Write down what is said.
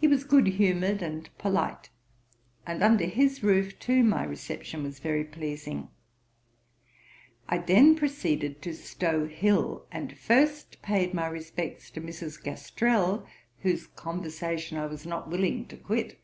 He was good humoured and polite; and under his roof too my reception was very pleasing. I then proceeded to Stow hill, and first paid my respects to Mrs. Gastrell, whose conversation I was not willing to quit.